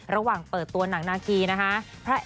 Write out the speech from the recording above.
ระหว่างเปิดตัวหนังนาคีนะคะ